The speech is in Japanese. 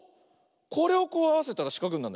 これをこうあわせたらしかくになる。